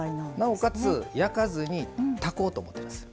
なおかつ焼かずに炊こうと思ってます。